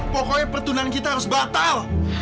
pokoknya pertunan kita harus batal